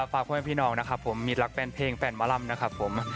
ฝากเพื่อนพี่น้องนะครับผมมีรักแฟนเพลงแฟนหมอลำนะครับผม